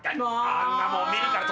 あんなもん見るから。